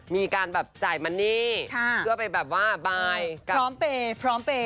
มีการแบบจ่ายมันนี่เพื่อไปแบบว่าบายพร้อมเปย์พร้อมเปย์